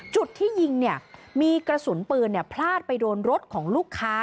จุดที่ยิงเนี่ยมีกระสุนปืนพลาดไปโดนรถของลูกค้า